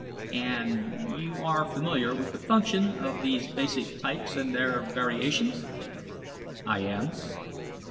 "And you are familiar with the function of these basic types and their variations?" "I am."